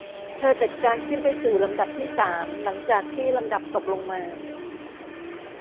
เธอจัดการขึ้นไปสู่ลำดับที่สามหลังจากที่ลำดับตกลงมา